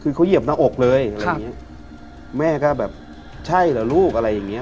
คือเขาเหยียบหน้าอกเลยครับแม่ก็แบบใช่เหรอลูกอะไรอย่างเงี้ย